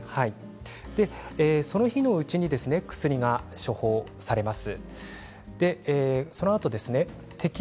その日のうちに薬が処方されます。